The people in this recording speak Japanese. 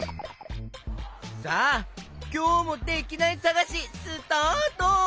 さあきょうもできないさがしスタート！